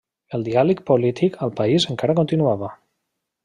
El diàleg polític al país encara continuava.